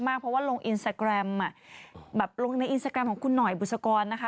เพราะว่าลงอินสตาแกรมแบบลงในอินสตาแกรมของคุณหน่อยบุษกรนะคะ